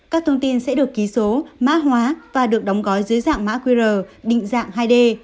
các thông tin sẽ được ký số mã hóa và được đóng gói dưới dạng mã qr định dạng hai d